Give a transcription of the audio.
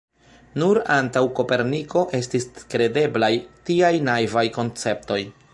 Nur antaŭ Koperniko estis kredeblaj tiaj naivaj konceptoj.